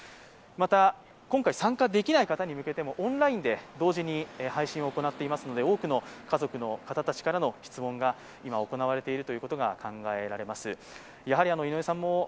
また、今回参加できない方に向けてもオンラインで配信を行っていますので、多くの家族の方たちからの質問が行われていることが考えられます。